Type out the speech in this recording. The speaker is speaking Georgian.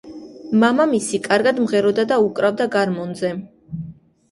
მამამისი კარგად მღეროდა და უკრავდა გარმონზე.